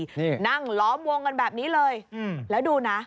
นี่นั่งล้อมวงกันแบบนี้เลยอืมแล้วดูนะ